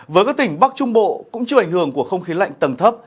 với các tỉnh bắc trung bộ cũng chưa ảnh hưởng của không khí lạnh tầm thấp